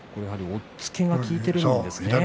押っつけが効いているんですかね。